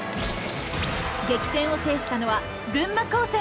激戦を制したのは群馬高専。